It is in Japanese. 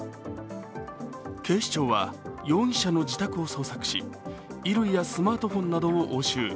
警視庁は容疑者の自宅を捜索し衣類やスマートフォンなどを押収。